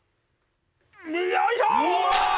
よいしょ！